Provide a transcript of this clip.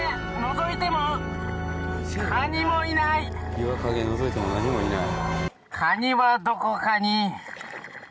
岩陰のぞいても何もいない。